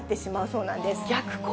そうなんです。